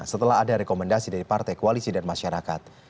setelah ada rekomendasi dari partai koalisi dan masyarakat